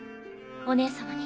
お姉様に。